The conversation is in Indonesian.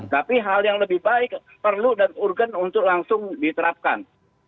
tapi hal yang lebih baik perlu dan urgen untuk langsung diterapkan